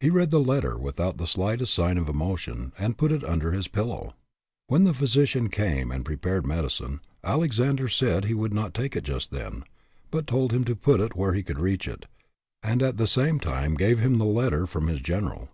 He read the letter without the slightest sign of emotion, and put it under his pillow. When the physician came and pre pared medicine, Alexander said he would not take it just then, but told him to put it where he could reach it, and at the same time gave him the letter from his general.